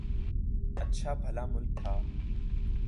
اچھا بھلا ملک تھا۔